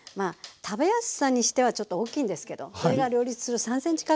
食べやすさにしてはちょっと大きいんですけどそれが両立する３ｃｍ角ぐらいに切ってあります。